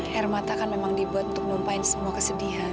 hermata kan memang dibuat untuk numpain semua kesedihan